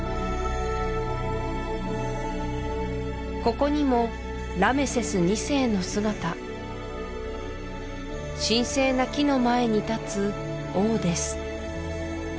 ここにもラメセス２世の姿神聖な木の前に立つ王です